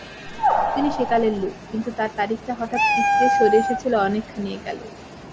তিনি সেকালের লোক, কিন্তু তাঁর তারিখটা হঠাৎ পিছলিয়ে সরে এসেছিল অনেকখানি একালে।